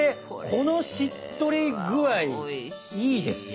このしっとり具合いいですよ。